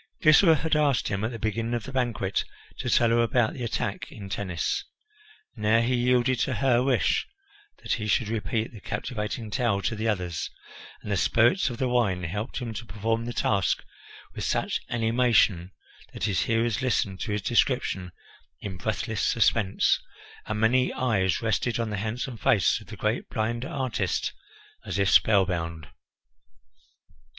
Glycera had asked him, at the beginning of the banquet, to tell her about the attack in Tennis. Now he yielded to her wish that he should repeat the captivating tale to the others, and the spirits of the wine helped him to perform the task with such animation that his hearers listened to his description in breathless suspense, and many eyes rested on the handsome face of the great blind artist as if spellbound.